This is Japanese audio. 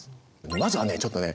まずはねちょっとね